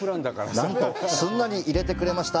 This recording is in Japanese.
なんと、すんなり入れてくれました。